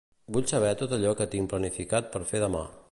Vull saber tot allò que tinc planificat per fer demà.